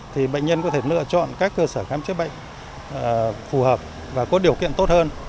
thì bệnh nhân có thể lựa chọn các cơ sở khám chữa bệnh phù hợp và có điều kiện tốt hơn